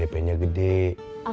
akang jangan nganggep nenek gak tau